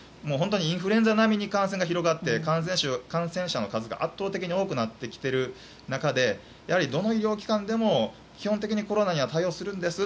インフルエンザ並みに感染が広がって感染者の数が圧倒的に多くなってきている中でやはり、どの医療機関でも基本的にコロナには対応するんです